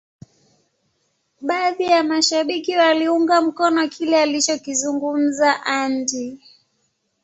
baadhi ya mashabiki waliunga mkono kile alichokizungumza Andy